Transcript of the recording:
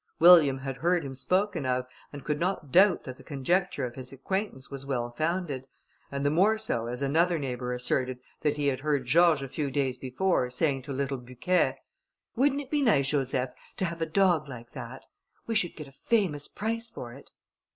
William had heard him spoken of, and could not doubt that the conjecture of his acquaintance was well founded, and the more so as another neighbour asserted that he had heard George a few days before saying to little Bucquet, "Wouldn't it be nice, Joseph, to have a dog like that? We should get a famous price for it!"